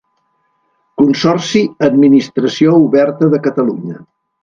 Consorci Administració Oberta de Catalunya.